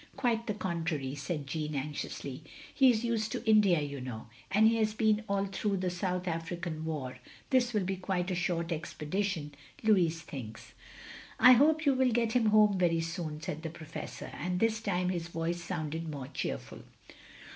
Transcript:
Quite the contrary," said Jeanne, anxiously. "He is used to India, you know, and he has been all through the South African War. This will be quite a short expedition, Louis thinks. " "I hope you will get him home very soon,'* said the Professor, and this time his voice sounded more cheerful.